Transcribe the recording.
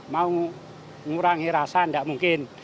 mau mengurangi rasa tidak mungkin